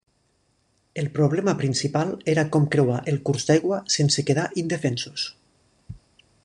El problema principal era com creuar el curs d'aigua sense quedar indefensos.